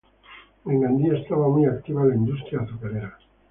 En Gandía estaba muy activa la industria azucarera.